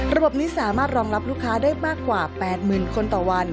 ระบบนี้สามารถรองรับลูกค้าได้มากกว่า๘๐๐๐คนต่อวัน